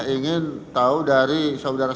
ingin tahu dari saudara